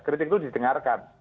kritik itu didengarkan